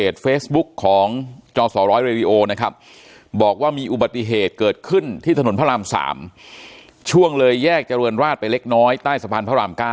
แต่ว่ามันน่ากลัวจริงนี่ฮะ